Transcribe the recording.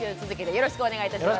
よろしくお願いします！